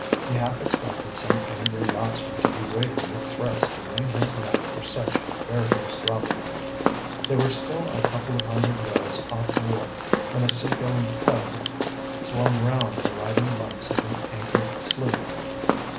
He half expected some angry yachtsman to be waiting with threats to wring his neck for such bare faced robbery. They were still a couple of hundred yards off the wharf when a sea going tug swung round the riding lights of an anchored sloop.